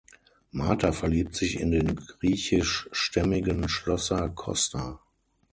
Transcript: Martha verliebt sich in den griechischstämmigen Schlosser Costa.